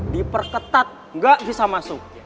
diperketat gak bisa masuk